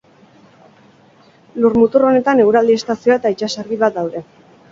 Lurmutur honetan eguraldi estazioa eta itsasargi bat daude.